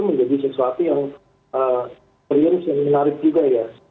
menjadi sesuatu yang serius dan menarik juga ya